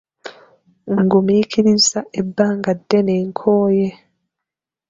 Ngumiikirizza ebbanga ddene nkooye.